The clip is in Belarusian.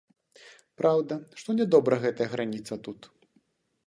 Праўда, што нядобра гэтая граніца тут.